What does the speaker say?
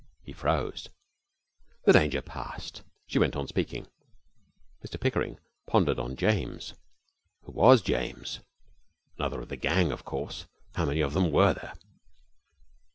He froze. The danger passed. She went on speaking. Mr Pickering pondered on James. Who was James? Another of the gang, of course. How many of them were there?